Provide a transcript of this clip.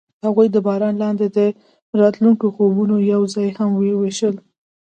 هغوی د باران لاندې د راتلونکي خوبونه یوځای هم وویشل.